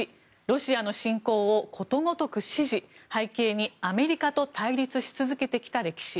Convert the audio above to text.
１ロシアの侵攻をことごとく支持背景に、アメリカと対立し続けてきた歴史。